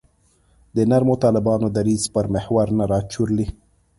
د نرمو طالبانو دریځ پر محور نه راچورلي.